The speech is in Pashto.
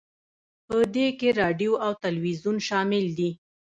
په دې کې راډیو او تلویزیون شامل دي